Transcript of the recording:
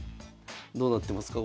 どうなってますかこれ。